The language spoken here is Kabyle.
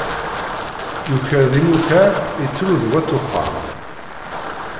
Yuker d imukar, ittru d wat uxxam.